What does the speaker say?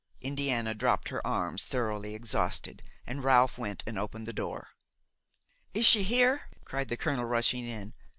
Indiana dropped her arms, thoroughly exhausted, and Ralph went and opened the door. "Is she here?" cried the colonel, rushing in.